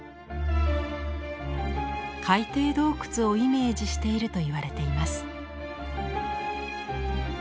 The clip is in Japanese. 海底洞窟をイメージしているといわれています。